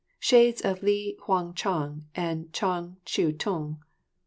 Shades of Li Hung chang and Chang Chih tung!